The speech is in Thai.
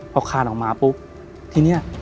พอคานออกมาปุ๊บ